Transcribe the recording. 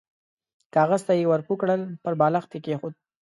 کاغذ ته يې ور پوه کړل، پر بالښت يې کېښود.